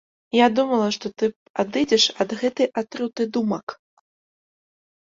Я думала, што ты адыдзеш ад гэтай атруты думак.